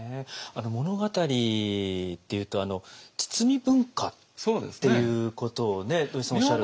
物語っていうと包み文化っていうことを土井さんおっしゃる。